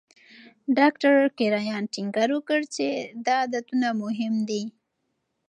ډاکټر کرایان ټینګار وکړ چې دا عادتونه مهم دي.